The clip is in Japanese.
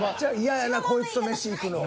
嫌やなこいつと飯行くの。